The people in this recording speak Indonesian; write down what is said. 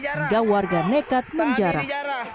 hingga warga nekat menjarah